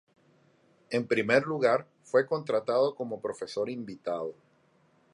En primer lugar, fue contratado como profesor invitado.